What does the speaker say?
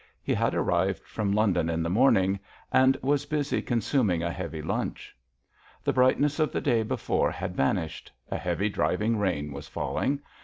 He had arrived from London in the morning, and was busy consuming a heavy lunch. The brightness of the day before had vanished; a heavy driving rain was falling.